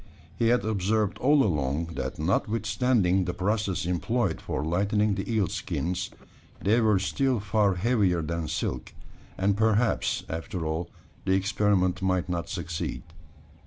He had observed all along, that, notwithstanding the process employed for lightening the eel skins, they were still far heavier than silk; and perhaps, after all, the experiment might not succeed.